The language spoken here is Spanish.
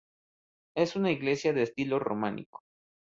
Es una iglesia de estilo románico.